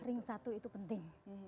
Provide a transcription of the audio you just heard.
ring satu itu penting